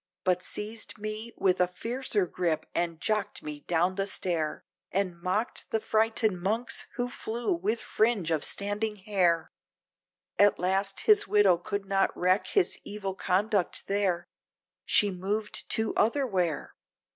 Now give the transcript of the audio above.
But seized me with a fiercer grip, and jocked me down the stair! And mocked the frightened monks, who flew, with fringe of standing hair. At last his widow could not reck his evil conduct there, She moved to otherwhere.